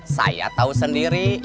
saya tau sendiri